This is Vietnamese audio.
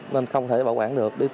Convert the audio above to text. nên không thể bảo quản được